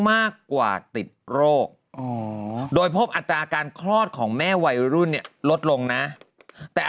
มากกว่าติดโรคโดยพบอัตราการคลอดของแม่วัยรุ่นเนี่ยลดลงนะแต่